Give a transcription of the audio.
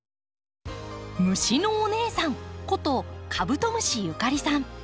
虫のお姉さんことカブトムシゆかりさん。